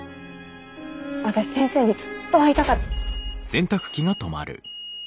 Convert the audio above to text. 私先生にずっと会いたか。